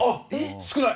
少ない。